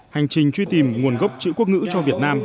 hành trình truy tìm nguồn gốc chữ quốc ngữ cho việt nam